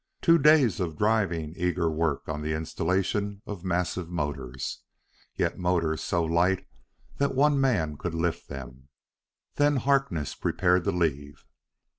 Two days of driving, eager work on the installation of massive motors yet motors so light that one man could lift them then Harkness prepared to leave.